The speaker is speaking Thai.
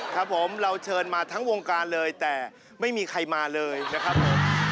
ครับผมเราเชิญมาทั้งวงการเลยแต่ไม่มีใครมาเลยนะครับผม